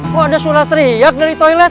kok ada surat teriak dari toilet